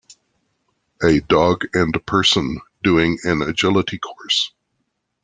A dog and person doing an agility course.